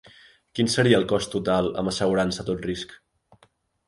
Quin seria el cost total, amb assegurança a tot risc?